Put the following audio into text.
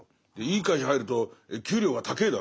いい会社入ると給料が高ぇだろ。